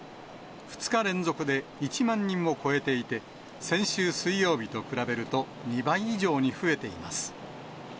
２日連続で１万人を超えていて、先週水曜日と比べると２倍以上に増えています。